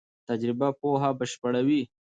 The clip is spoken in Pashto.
تجربه پوهه بشپړوي.